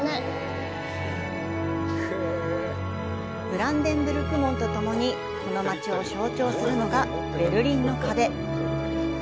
ブランデンブルク門とともにこの街を象徴するのがベルリンの壁。